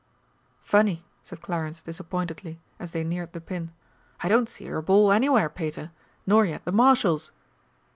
"Funny," said Clarence disappointedly, as they neared the pin, "I don't see your ball anywhere, Pater. Nor yet the Marshal's."